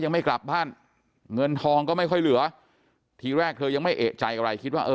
ยังไม่กลับบ้านเงินทองก็ไม่ค่อยเหลือทีแรกเธอยังไม่เอกใจอะไรคิดว่าเออ